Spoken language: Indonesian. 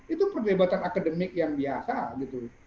itu perdebatan akademik yang biasa gitu